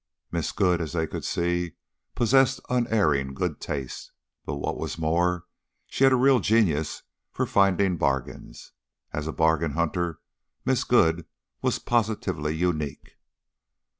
Miss Good, as they could see, possessed unerring good taste, but what was more, she had a real genius for finding bargains. As a bargain hunter Miss Good was positively unique.